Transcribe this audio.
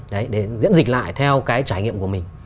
đấy để diễn dịch lại theo cái trải nghiệm của mình